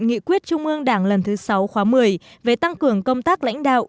nghị quyết trung ương đảng lần thứ sáu khóa một mươi về tăng cường công tác lãnh đạo